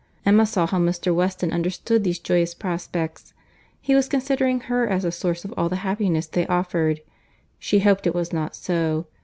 Emma saw how Mr. Weston understood these joyous prospects. He was considering her as the source of all the happiness they offered. She hoped it was not so.